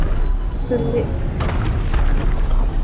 সুন্নি ইসলাম অনুসারে তিনি হলেন পঞ্চম রাশিদুন খলিফা।